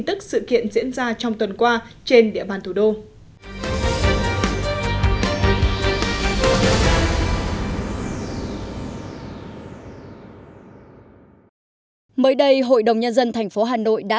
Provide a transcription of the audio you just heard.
tức sự kiện diễn ra trong tuần qua trên địa bàn thủ đô mới đây hội đồng nhân dân thành phố hà nội đã